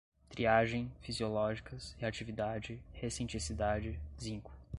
triagem, fisiológicas, reatividade, recenticidade, zinco